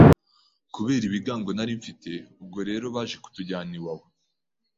kubera ibigango nari mfite, ubwo rero baje kutujyana iwawa